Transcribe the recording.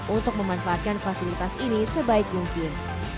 untuk memanfaatkan fasilitas ini sebaik mungkin